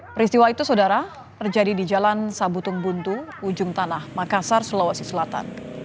peristiwa itu saudara terjadi di jalan sabutung buntu ujung tanah makassar sulawesi selatan